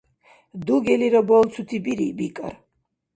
Дугелира балцути бири, бикӀар?